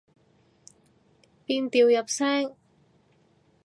變調入聲